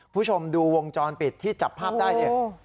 ผู้ชมดูวงจรปิดที่จับภาพได้นี่